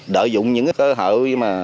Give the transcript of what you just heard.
đợi dụng những cơ hội